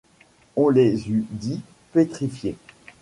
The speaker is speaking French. On les eût dits pétrifiés.